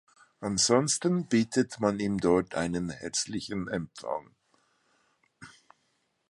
Ansonsten bietet man ihm dort einen herzlichen Empfang.